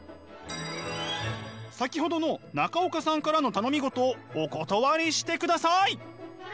先ほどの中岡さんからの頼み事をお断りしてください。